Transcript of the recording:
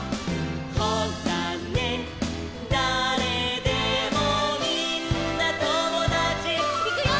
「ほらね誰でもみんなともだち」いくよ！